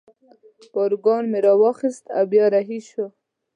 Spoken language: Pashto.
پاروګان مې را واخیستل او بیا رهي شوو.